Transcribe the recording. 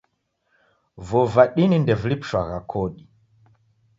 Vuo va dini ndevilipishwagha kodi.